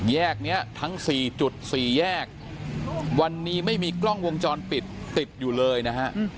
แยกนี้ทั้ง๔๔แยกวันนี้ไม่มีกล้องวงจรปิดติดอยู่เลยนะฮะ